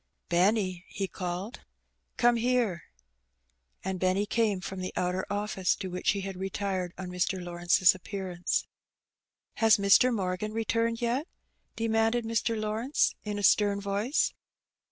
'^Benny,^^ he called, "come here." And Benny came in from the outer office, to which he had retired on Mr. Lawrence's appearance. "Has Mr. Morgan returned yet?'' demanded Mr. Law rence, in a stem voice.